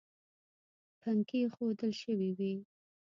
پنکې ایښوول شوې وې.